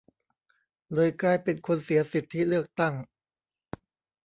เลยกลายเป็นคนเสียสิทธิเลือกตั้ง